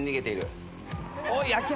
おい秋山